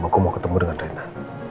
aku mau ketemu dengan rena